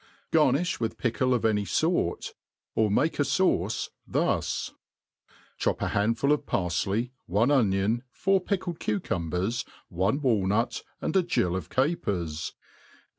G;»rniih« with pickle of any fore ; or make a fauce thus : chop a handful of parfley, one onion, four pickled cucumbers, one walnut, and a gill of capcis ; put.